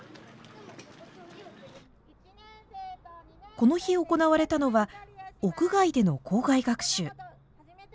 この日行われたのは屋外での校外学習。